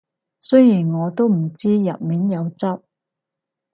雖然我都唔知入面有汁